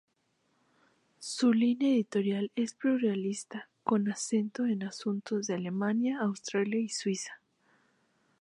Su línea editorial es pluralista con acento en asuntos de Alemania, Austria y Suiza.